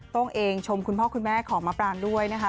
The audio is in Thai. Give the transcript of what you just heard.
เองชมคุณพ่อคุณแม่ของมะปรางด้วยนะคะ